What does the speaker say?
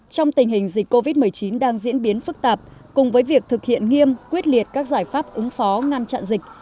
trong tình hình dịch covid một mươi chín đang diễn biến phức tạp cùng với việc thực hiện nghiêm quyết liệt các giải pháp ứng phó ngăn chặn dịch